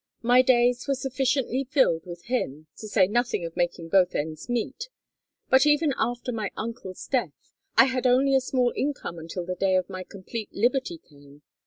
My days were sufficiently filled with him, to say nothing of making both ends meet; for even after my uncle's death, I had only a small income until the day of my complete liberty came.